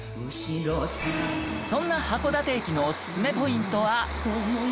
そんな函館駅のオススメポイントは。